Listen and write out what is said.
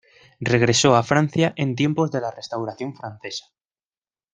Regresó a Francia en tiempos de la Restauración Francesa.